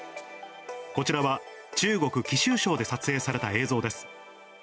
こちらは、中国・貴州省で撮影された映像です。